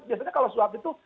biasanya kalau suap itu